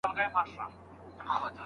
غم شريکي د زړونو ملهم دی.